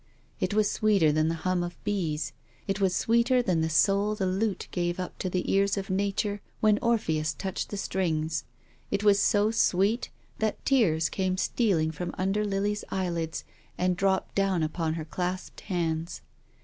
It was sweeter than the hum of bees. It was sweeter than the soul the lute gave up to the cars of Nature when Orpheus touched the strings. It was so sweet that tears came stealing from under Lily's eyelids and dropped down upon her clasped hands.